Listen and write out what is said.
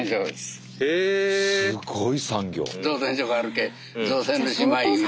すごい産業。